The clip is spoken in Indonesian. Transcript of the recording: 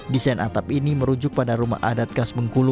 desain atap ini merujuk pada rumah adat khas bengkulu